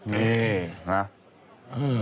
นี่นะครับ